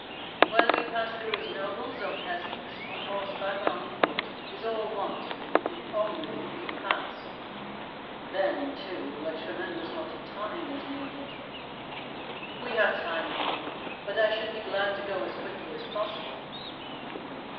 "Whether we pass through as nobles or peasants, on horseback or on foot, is all one to me, if only we pass." "Then too a tremendous lot of time is needed." "We have time enough, but I should be glad to go as quickly as possible."